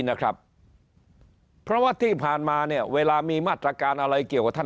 นะครับเพราะว่าที่ผ่านมาเนี่ยเวลามีมาตรการอะไรเกี่ยวกับท่าน